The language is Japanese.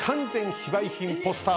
非売品ポスター？